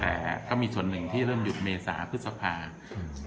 แต่ก็มีส่วนหนึ่งที่เริ่มหยุดเมษาพฤษภาอืม